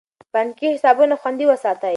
بانکي حسابونه خوندي وساتئ.